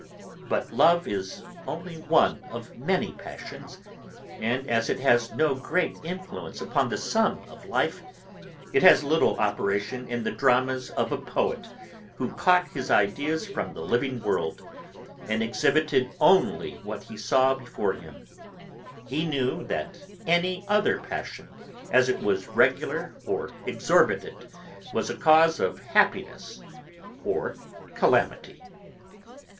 But love is only one of many passions; and as it has no great influence upon the sum of life, it has little operation in the dramas of a poet, who caught his ideas from the living world, and exhibited only what he saw before him. He knew, that any other passion, as it was regular or exorbitant, was a cause of happiness or calamity.